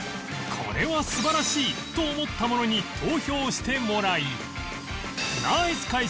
「これは素晴らしい！」と思ったものに投票してもらい